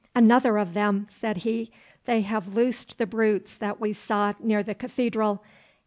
'Another of them,' said he. 'They have loosed the brutes that we saw near the Cathedral.